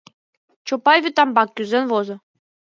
Чопай вӱтамбак кӱзен возо.